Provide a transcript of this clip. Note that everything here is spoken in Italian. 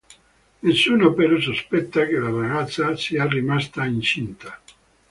Nessuno però sospetta che la ragazza sia rimasta incinta.